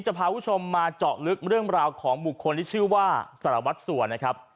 พาคุณผู้ชมมาเจาะลึกเรื่องราวของบุคคลที่ชื่อว่าสารวัตรสัวนะครับ